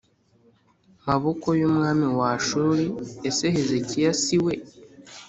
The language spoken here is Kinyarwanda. maboko y umwami wa Ashuri Ese Hezekiya si we